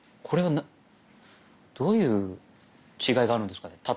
これはどういう違いがあるんですかね？